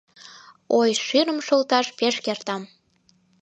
«Ой, шӱрым шолташ пеш кертам.